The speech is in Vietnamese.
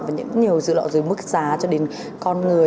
và nhiều sự lựa chọn dưới mức giá cho đến con người